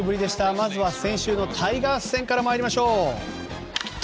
まずは先週のタイガース戦から参りましょう。